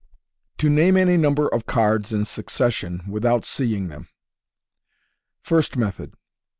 TO NAME ANT NUMBER OF CARDS IN SUCCESSION WITHOUT Seeing Them. — First Method.